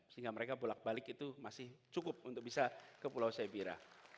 sehingga mereka bolak balik itu masih cukup untuk bisa ke pulau sebira